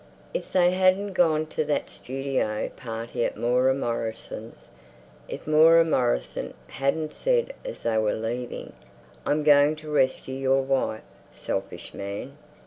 If they hadn't gone to that studio party at Moira Morrison's—if Moira Morrison hadn't said as they were leaving, "I'm going to rescue your wife, selfish man.